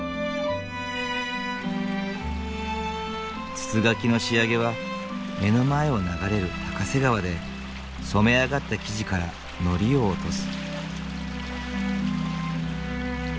筒描きの仕上げは目の前を流れる高瀬川で染め上がった生地からのりを落とす。